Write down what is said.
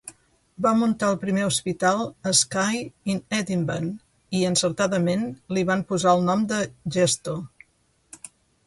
Va muntar el primer hospital a Skye in Edinbane, i encertadament li van posar el nom de Gesto.